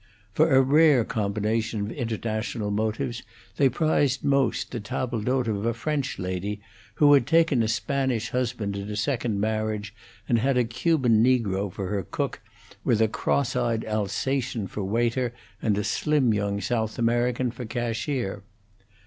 For a rare combination of international motives they prized most the table d'hote of a French lady, who had taken a Spanish husband in a second marriage, and had a Cuban negro for her cook, with a cross eyed Alsation for waiter, and a slim young South American for cashier.